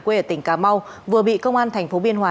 quê ở tỉnh cà mau vừa bị công an tp biên hòa